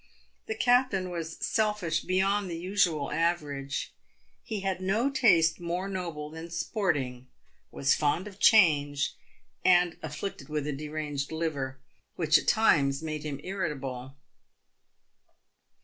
The captain was selfish beyond the usual average. He had no taste more noble than sporting, was fond of change, and afflicted with a deranged liver, which at times made him irritable.